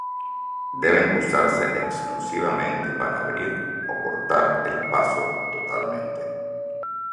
Deben usarse exclusivamente par abrir o cortar el paso totalmente.